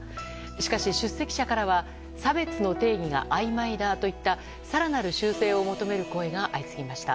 しかし、出席者からは差別の定義があいまいだといった更なる修正を求める声が相次ぎました。